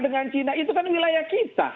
dengan cina itu kan wilayah kita